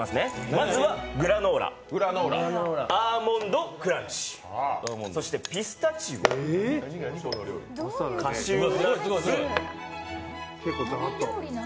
まずはグラノーラ、アーモンドクランチそしてピスタチオ、カシューナッツ。